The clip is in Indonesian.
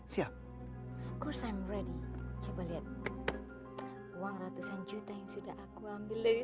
siap kursan ready coba lihat uang ratusan juta yang sudah aku ambil dari